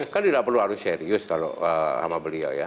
kan tidak perlu harus serius kalau sama beliau ya